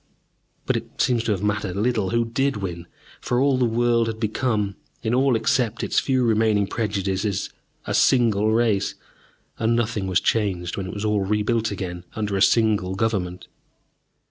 But it seems to have mattered little who did win, for all the world had become, in all except its few remaining prejudices, a single race, and nothing was changed when it was all rebuilt again, under a single government.